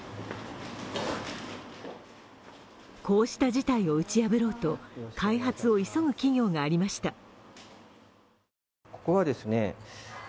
こうした事態を打ち破ろうと開発を急ぐ企業がありました。